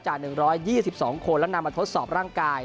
๑๒๒คนแล้วนำมาทดสอบร่างกาย